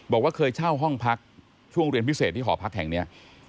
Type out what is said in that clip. บอกว่าเคยเช่าห้องพักช่วงเรียนพิเศษที่หอพักแห่งนี้